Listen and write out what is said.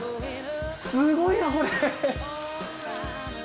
すごいなこれ。